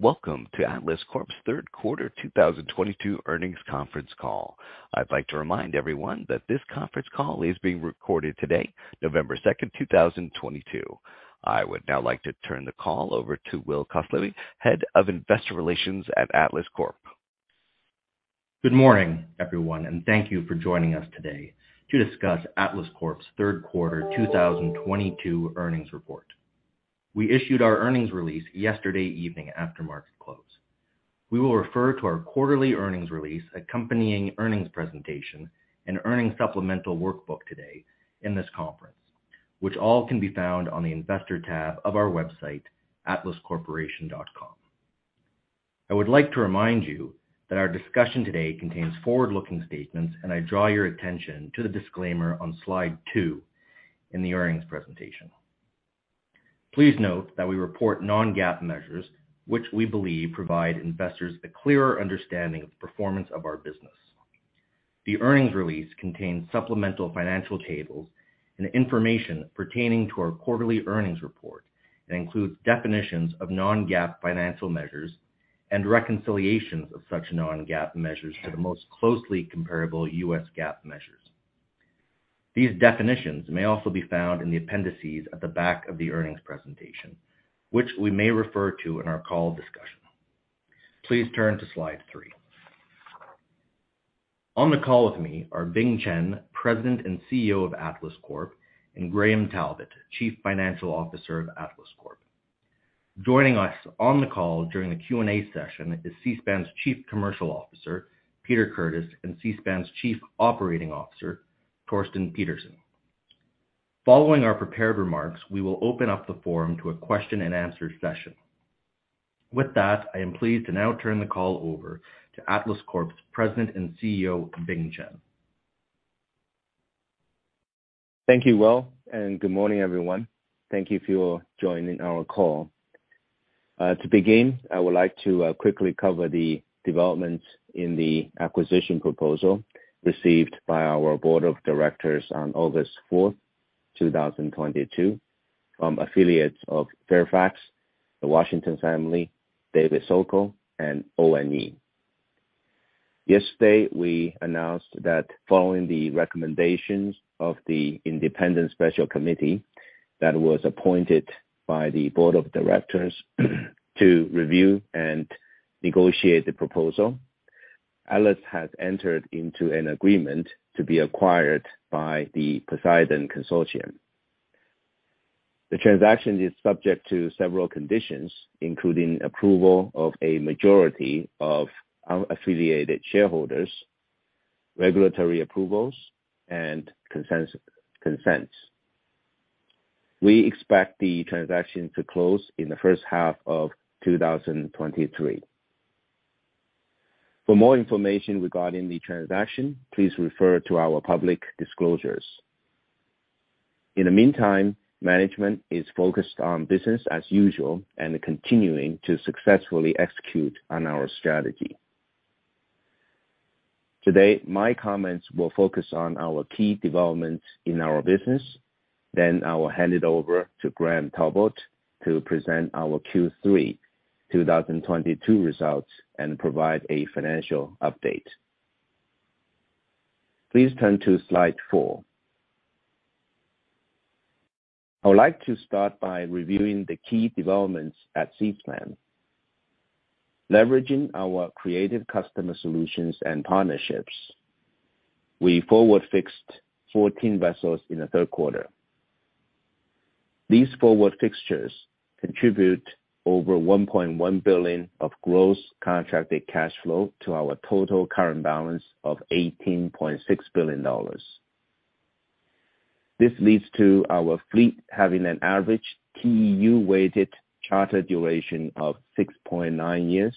Welcome to Atlas Corp's third quarter 2022 earnings conference call. I'd like to remind everyone that this conference call is being recorded today, November 2, 2022. I would now like to turn the call over to Will Kostlivy, Head of Investor Relations at Atlas Corp Good morning, everyone, and thank you for joining us today to discuss Atlas Corp's third quarter 2022 earnings report. We issued our earnings release yesterday evening after market close. We will refer to our quarterly earnings release, accompanying earnings presentation, and earnings supplemental workbook today in this conference, which all can be found on the investor tab of our website, atlascorporation.com. I would like to remind you that our discussion today contains forward-looking statements, and I draw your attention to the disclaimer on slide two in the earnings presentation. Please note that we report non-GAAP measures, which we believe provide investors a clearer understanding of the performance of our business. The earnings release contains supplemental financial tables and information pertaining to our quarterly earnings report and includes definitions of non-GAAP financial measures and reconciliations of such non-GAAP measures to the most closely comparable U.S. GAAP measures. These definitions may also be found in the appendices at the back of the earnings presentation, which we may refer to in our call discussion. Please turn to slide three. On the call with me are Bing Chen, President and CEO of Atlas Corp, and Graham Talbot, Chief Financial Officer of Atlas Corp Joining us on the call during the Q&A session is Seaspan's Chief Commercial Officer, Peter Curtis, and Seaspan's Chief Operating Officer, Torsten Holst Pedersen. Following our prepared remarks, we will open up the forum to a question-and-answer session. With that, I am pleased to now turn the call over to Atlas Corp's President and CEO, Bing Chen. Thank you, Will, and good morning, everyone. Thank you for joining our call. To begin, I would like to quickly cover the developments in the acquisition proposal received by our board of directors on August 4th, 2022, from affiliates of Fairfax, the Washington family, David Sokol, and O.N.E. Yesterday, we announced that following the recommendations of the independent special committee that was appointed by the board of directors to review and negotiate the proposal, Atlas has entered into an agreement to be acquired by the Poseidon Acquisition Corp The transaction is subject to several conditions, including approval of a majority of unaffiliated shareholders, regulatory approvals, and consent. We expect the transaction to close in the first half of 2023. For more information regarding the transaction, please refer to our public disclosures. In the meantime, management is focused on business as usual and continuing to successfully execute on our strategy. Today, my comments will focus on our key developments in our business. I will hand it over to Graham Talbot to present our Q3 2022 results and provide a financial update. Please turn to slide four. I would like to start by reviewing the key developments at Seaspan. Leveraging our creative customer solutions and partnerships, we forward fixed 14 vessels in the third quarter. These forward fixtures contribute over $1.1 billion of gross contracted cash flow to our total current balance of $18.6 billion. This leads to our fleet having an average TEU-weighted charter duration of 6.9 years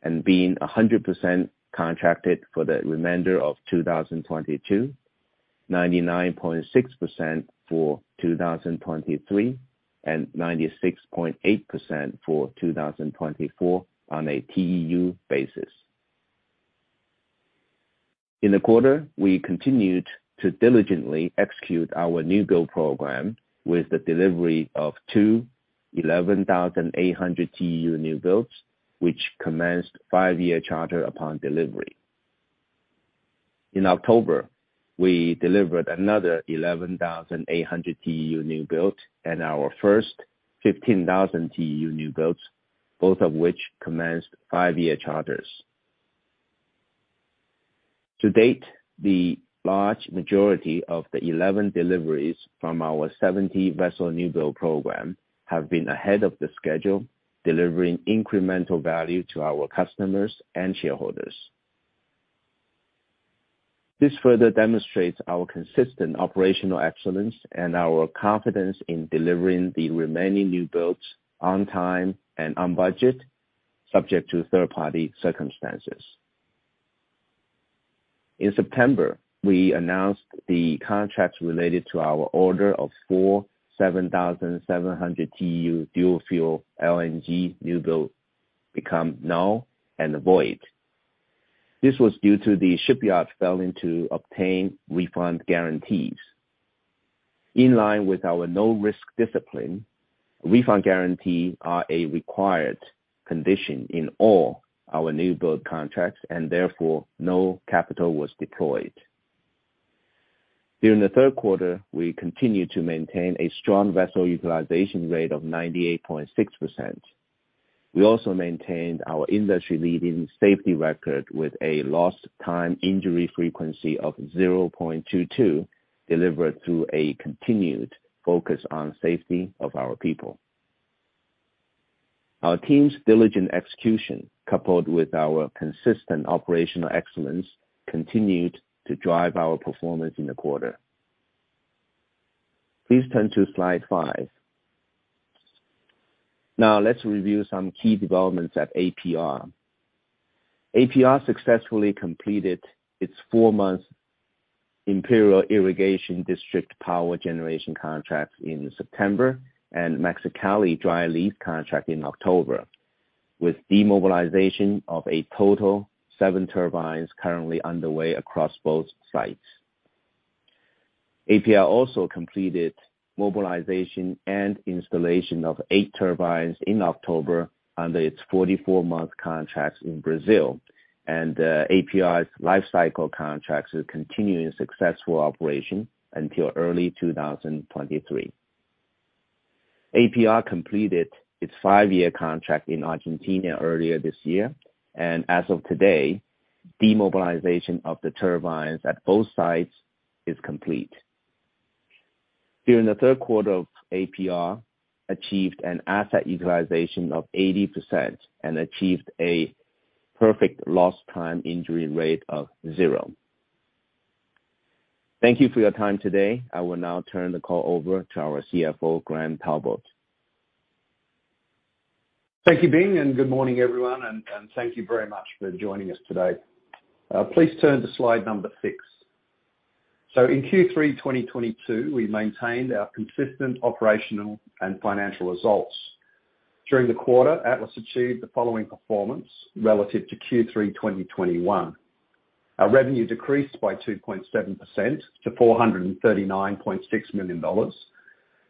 and being 100% contracted for the remainder of 2022, 99.6% for 2023, and 96.8% for 2024 on a TEU basis. In the quarter, we continued to diligently execute our new build program with the delivery of two 11,800 TEU new builds, which commenced five-year charter upon delivery. In October, we delivered another 11,800 TEU new build and our first 15,000 TEU new builds, both of which commenced five-year charters. To date, the large majority of the 11 deliveries from our 70-vessel new build program have been ahead of the schedule, delivering incremental value to our customers and shareholders. This further demonstrates our consistent operational excellence and our confidence in delivering the remaining new builds on time and on budget, subject to third-party circumstances. In September, we announced the contracts related to our order of four 7,700 TEU dual fuel LNG newbuilds became null and void. This was due to the shipyard failing to obtain refund guarantees. In line with our no-risk discipline, refund guarantees are a required condition in all our newbuild contracts, and therefore, no capital was deployed. During the third quarter, we continued to maintain a strong vessel utilization rate of 98.6%. We also maintained our industry-leading safety record with a lost time injury frequency of 0.22, delivered through a continued focus on safety of our people. Our team's diligent execution, coupled with our consistent operational excellence, continued to drive our performance in the quarter. Please turn to slide five. Now let's review some key developments at APR. APR successfully completed its four-month Imperial Irrigation District power generation contract in September and Mexicali dry lease contract in October, with demobilization of a total seven turbines currently underway across both sites. APR also completed mobilization and installation of eight turbines in October under its 44-month contracts in Brazil. APR's lifecycle contracts will continue in successful operation until early 2023. APR completed its five-year contract in Argentina earlier this year. As of today, demobilization of the turbines at both sites is complete. During the third quarter APR achieved an asset utilization of 80% and achieved a perfect lost time injury rate of zero. Thank you for your time today. I will now turn the call over to our CFO, Graham Talbot. Thank you, Bing, and good morning, everyone, and thank you very much for joining us today. Please turn to slide six. In Q3-2022, we maintained our consistent operational and financial results. During the quarter, Atlas achieved the following performance relative to Q3-2021. Our revenue decreased by 2.7% to $439.6 million.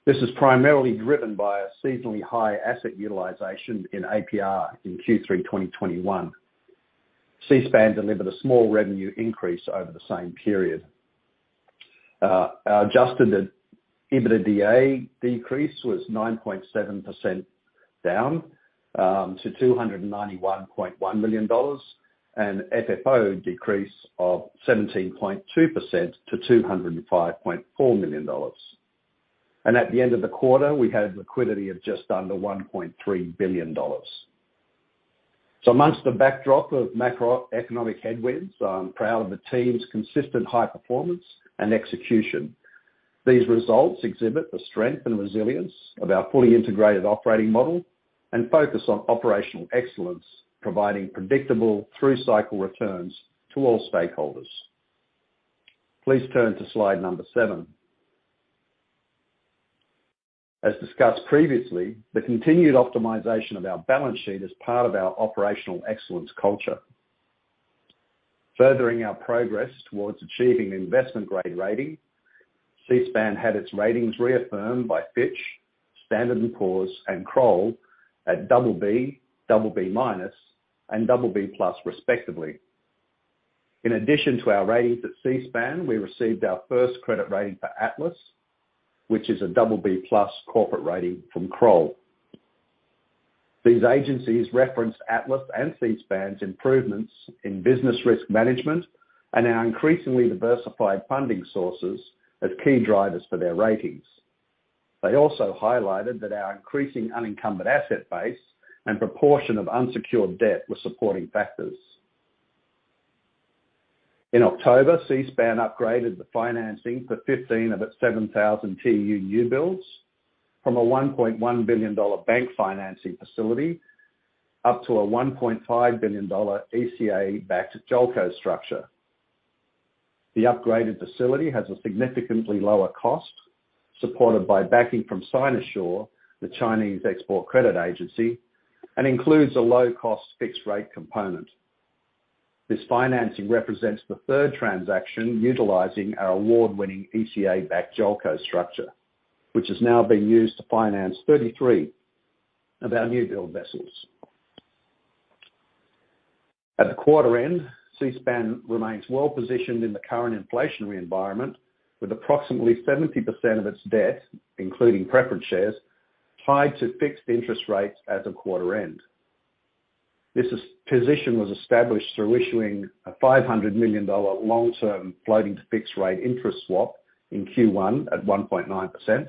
This is primarily driven by a seasonally high asset utilization in APR in Q3-2021. Seaspan delivered a small revenue increase over the same period. Our adjusted EBITDA decrease was 9.7% down to $291.1 million, and FFO decrease of 17.2% to $205.4 million. At the end of the quarter, we had a liquidity of just under $1.3 billion. Among the backdrop of macroeconomic headwinds, I'm proud of the team's consistent high performance and execution. These results exhibit the strength and resilience of our fully integrated operating model and focus on operational excellence, providing predictable through-cycle returns to all stakeholders. Please turn to slide number seven. As discussed previously, the continued optimization of our balance sheet is part of our operational excellence culture. Furthering our progress towards achieving investment-grade rating, Seaspan had its ratings reaffirmed by Fitch, Standard & Poor's, and Kroll at BB, BB-, and BB+, respectively. In addition to our ratings at Seaspan, we received our first credit rating for Atlas, which is a BB+ corporate rating from Kroll. These agencies referenced Atlas and Seaspan's improvements in business risk management and our increasingly diversified funding sources as key drivers for their ratings. They also highlighted that our increasing unencumbered asset base and proportion of unsecured debt were supporting factors. In October, Seaspan upgraded the financing for 15 of its 7,000 TEU newbuilds from a $1.1 billion bank financing facility up to a $1.5 billion ECA-backed JOLCO structure. The upgraded facility has a significantly lower cost, supported by backing from Sinosure, the Chinese export credit agency, and includes a low-cost fixed-rate component. This financing represents the third transaction utilizing our award-winning ECA-backed JOLCO structure, which is now being used to finance 33 of our newbuild vessels. At the quarter end, Seaspan remains well-positioned in the current inflationary environment with approximately 70% of its debt, including preference shares, tied to fixed interest rates at the quarter end. Position was established through issuing a $500 million long-term floating to fixed rate interest swap in Q1 at 1.9%.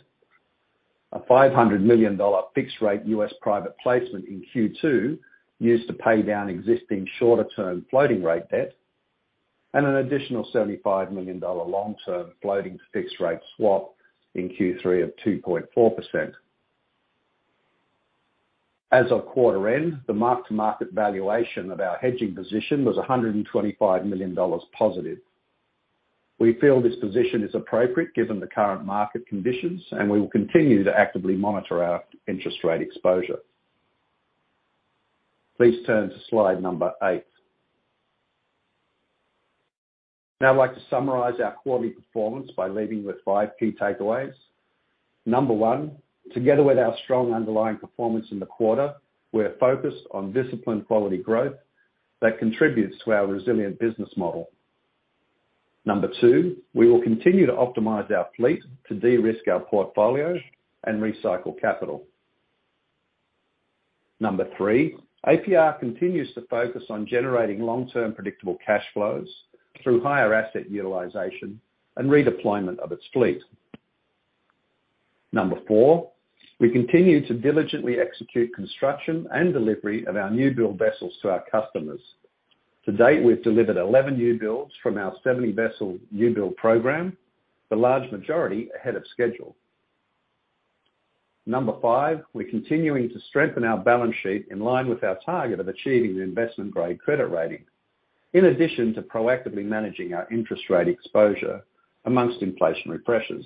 A $500 million fixed rate U.S. private placement in Q2, used to pay down existing shorter-term floating rate debt, and an additional $75 million long-term floating fixed rate swap in Q3 of 2.4%. As of quarter end, the mark-to-market valuation of our hedging position was $125 million positive. We feel this position is appropriate given the current market conditions, and we will continue to actively monitor our interest rate exposure. Please turn to slide number eight. Now I'd like to summarize our liquidity performance by leading with five key takeaways. Number 1, together with our strong underlying performance in the quarter, we're focused on disciplined quality growth that contributes to our resilient business model. Number two, we will continue to optimize our fleet to de-risk our portfolio and recycle capital. Number three, APR continues to focus on generating long-term predictable cash flows through higher asset utilization and redeployment of its fleet. Number four, we continue to diligently execute construction and delivery of our new-build vessels to our customers. To date, we've delivered 11 new-builds from our 70-vessel new-build program, the large majority ahead of schedule. Number five, we're continuing to strengthen our balance sheet in line with our target of achieving the investment-grade credit rating, in addition to proactively managing our interest rate exposure amongst inflationary pressures.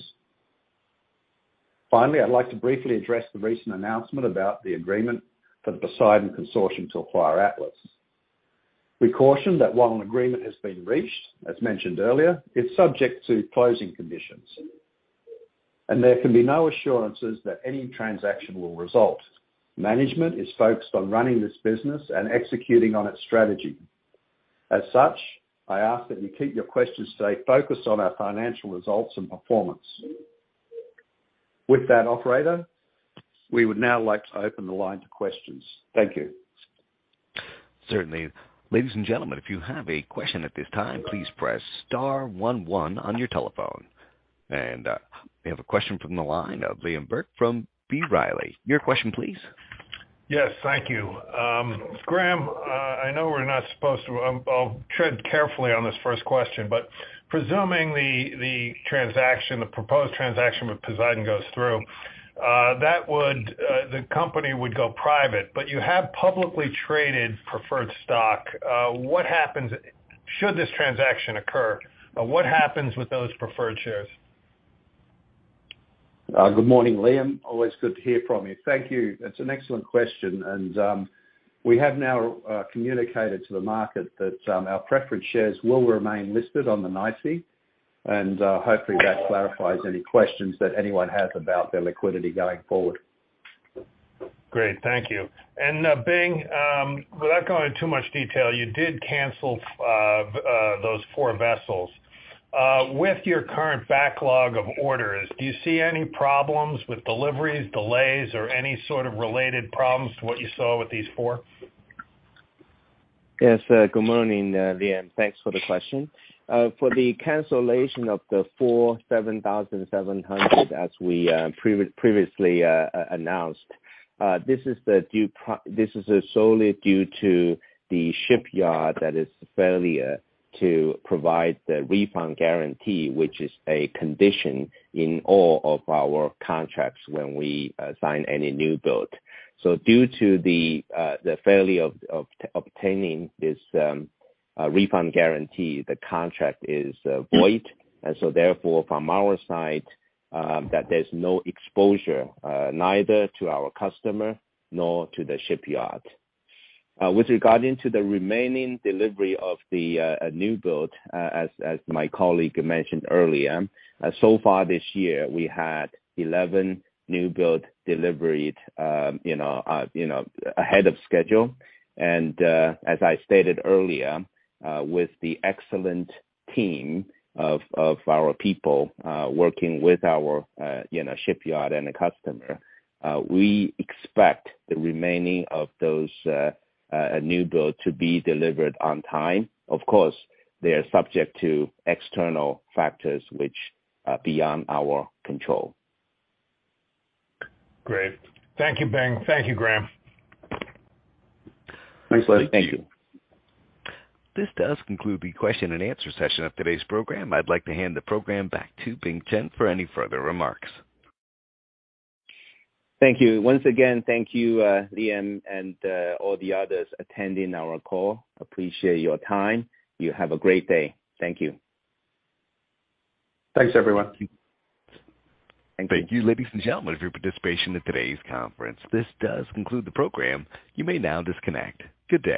Finally, I'd like to briefly address the recent announcement about the agreement for the Poseidon Acquisition Corp to acquire Atlas Corp We caution that while an agreement has been reached, as mentioned earlier, it's subject to closing conditions, and there can be no assurances that any transaction will result. Management is focused on running this business and executing on its strategy. As such, I ask that you keep your questions today focused on our financial results and performance. With that, operator, we would now like to open the line to questions. Thank you. Certainly. Ladies and gentlemen, if you have a question at this time, please press star one one on your telephone. We have a question from the line of Liam Burke from B. Riley. Your question, please. Yes, thank you. Graham, I know we're not supposed to, I'll tread carefully on this first question, but presuming the transaction, the proposed transaction with Poseidon goes through, that would, the company would go private. But you have publicly traded preferred stock. What happens? Should this transaction occur, what happens with those preferred shares? Good morning, Liam. Always good to hear from you. Thank you. That's an excellent question, and we have now communicated to the market that our preferred shares will remain listed on the NYSE, and hopefully that clarifies any questions that anyone has about their liquidity going forward. Great. Thank you. Bing, without going into too much detail, you did cancel those four vessels. With your current backlog of orders, do you see any problems with deliveries, delays, or any sort of related problems to what you saw with these four? Yes. Good morning, Liam. Thanks for the question. For the cancellation of the 47,700, as we previously announced, this is solely due to the shipyard's failure to provide the refund guarantee, which is a condition in all of our contracts when we sign any new build. Due to the failure of obtaining this refund guarantee, the contract is void, and so therefore, from our side, that there's no exposure neither to our customer nor to the shipyard. With regard to the remaining delivery of the new build, as my colleague mentioned earlier, so far this year, we had 11 new-build deliveries, you know, ahead of schedule. As I stated earlier, with the excellent team of our people working with our, you know, shipyard and the customer, we expect the remaining of those new build to be delivered on time. Of course, they are subject to external factors which are beyond our control. Great. Thank you, Bing. Thank you, Graham. Thanks, Liam. Thank you. This does conclude the question-and-answer session of today's program. I'd like to hand the program back to Bing Chen for any further remarks. Thank you. Once again, thank you, Liam and all the others attending our call. Appreciate your time. You have a great day. Thank you. Thanks, everyone. Thank you, ladies and gentlemen, for your participation in today's conference. This does conclude the program. You may now disconnect. Good day.